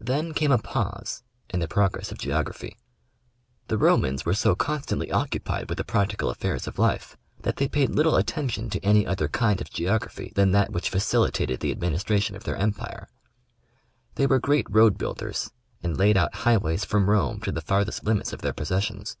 Then came a pause in the progress of geography. The Romans were so constantly occupied with the practical affairs of life, that they paid little attention to any other kind of 6 National Oeograjphic Magazine. geography than that which facilitated the administration of their empire. They were great road builders, and laid out highways from Rome to the farthest limits of their possessions.